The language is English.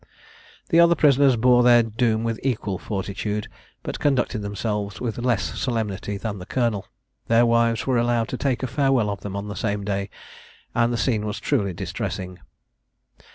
The other prisoners bore their doom with equal fortitude, but conducted themselves with less solemnity than the colonel. Their wives were allowed to take a farewell of them on the same day, and the scene was truly distressing.